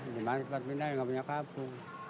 cuma tempat pindah yang enggak punya kampung